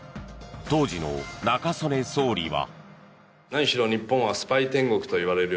当時の中曽根総理は。